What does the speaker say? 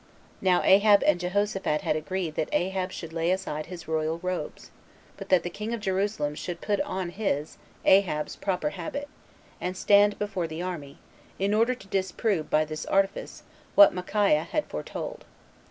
Now Ahab and Jehoshaphat had agreed that Ahab should lay aside his royal robes, but that the king of Jerusalem should put on his [Ahab's] proper habit, and stand before the army, in order to disprove, by this artifice, what Micaiah had foretold.